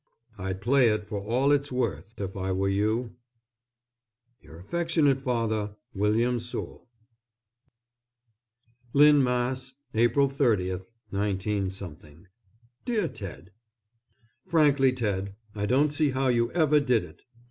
I'd play it for all its worth if I were you. Your affectionate father, WILLIAM SOULE. LYNN, MASS., _April 30, 19 _ DEAR TED: Frankly Ted, I don't see how you ever did it.